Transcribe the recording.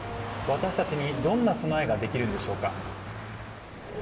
私達にどんな備えができるんでしょうか？